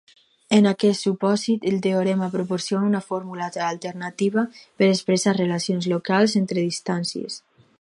En aquest supòsit, el teorema proporciona una fórmula alternativa per expressar relacions locals entre distàncies.